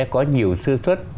có nhiều sơ xuất